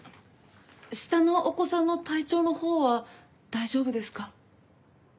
下のお子さんの体調の方は大丈夫ですか？